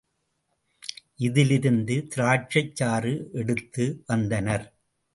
இதிலிருந்து திராட்சைச் சாறு எடுத்து வந்தனர்.